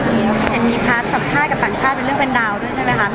มีป่ะอาการสัมภาษณ์กับป่างชาติเป็นเรื่องเป็นดาวด้วยใช่ไหมคะ